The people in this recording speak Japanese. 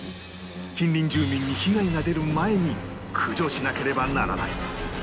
近隣住民に被害が出る前に駆除しなければならない